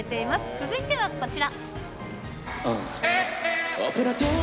続いてはこちら。